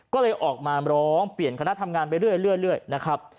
ก็เลยออกมาร้องเปลี่ยนคณะทำงานไปเรื่อยนะครับ